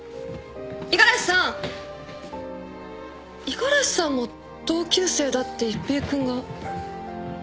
五十嵐さんも同級生だって一平君が。